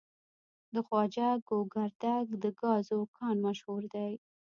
د خواجه ګوګردک د ګازو کان مشهور دی.